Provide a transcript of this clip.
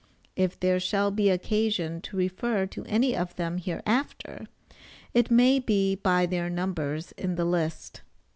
If there shall be occasion to refer to any of them hereafter, it may be by their numbers in the list.